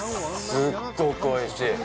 すっごくおいしい。